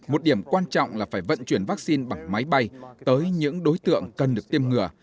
một điểm quan trọng là phải vận chuyển vaccine bằng máy bay tới những đối tượng cần được tiêm ngừa